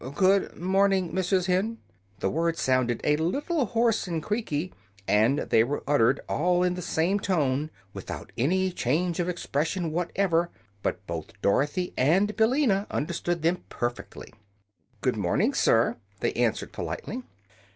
Good morn ing, Mrs. Hen." The words sounded a little hoarse and creaky, and they were uttered all in the same tone, without any change of expression whatever; but both Dorothy and Billina understood them perfectly. "Good morning, sir," they answered, politely.